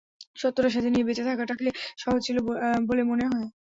সত্যটা সাথে নিয়ে বেঁচে থাকাটাকে সহজ ছিল বলে মনে হয়?